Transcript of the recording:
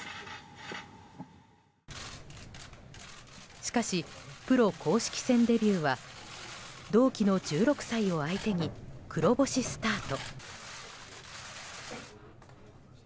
しかし、プロ公式戦デビューは同期の１６歳を相手に黒星スタート。